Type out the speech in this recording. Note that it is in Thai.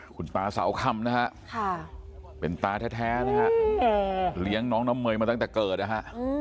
คุณตาเสาคำนะฮะเป็นตาแท้นะฮะเลี้ยงน้องน้ำเมยมาตั้งแต่เกิดนะฮะ